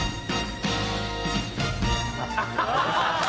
「ハハハハ！」